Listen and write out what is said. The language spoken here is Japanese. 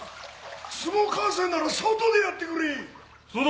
相撲観戦なら外でやってくれそうだ